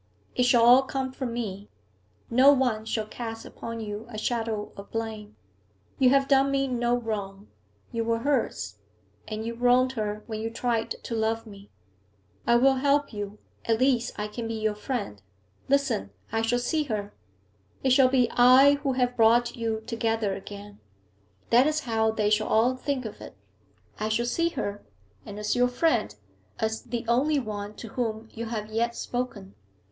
It shall all come from me. No one shall cast upon you a shadow of blame. You have done me no wrong; you were hers, and you wronged her when you tried to love me. I will help you at least I can be your friend. Listen; I shall see her. It shall be I who have brought you together again that is how the shall all think of it. I shall see her, and as your friend, as the only one to whom you have yet spoken.